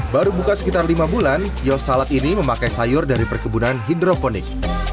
baru buka sekitar lima bulan kios salad ini memakai sayur dari perkebunan hidroponik